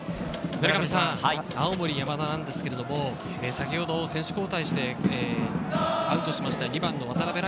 青森山田なんですが、先ほど選手交代して、アウトした２番の渡邊来